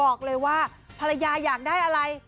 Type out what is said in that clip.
ออกมาหลายคนได้มั้ย